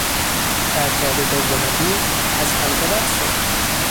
پرتاب دوم او از حلقه رد شد.